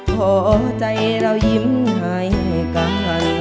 ขอใจเรายิ้มให้กัน